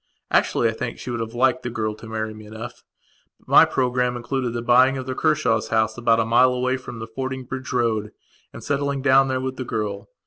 Actually, I think she would have liked the girl to marry me enough but my programme included the buying of the Kershaw's house about a mile away upon the Fordingbridge road, and settling down there with the girl.